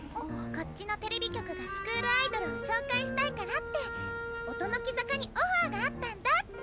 こっちのテレビ局がスクールアイドルを紹介したいからって音ノ木坂にオファーがあったんだって。